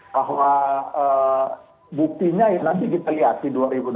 bahwa buktinya ya nanti kita lihat di dua ribu dua puluh